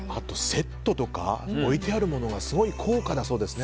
セットとか、置いてあるものがすごい高価だそうですね。